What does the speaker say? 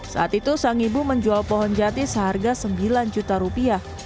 saat itu sang ibu menjual pohon jati seharga sembilan juta rupiah